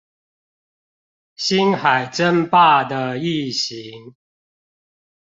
星海爭霸的異型